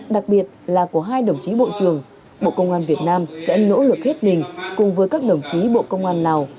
đặc biệt là của hai đồng chí bộ trưởng bộ công an việt nam sẽ nỗ lực hết mình cùng với các đồng chí bộ công an lào